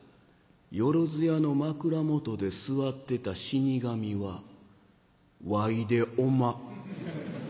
万屋の枕元で座ってた死神はわいでおま」。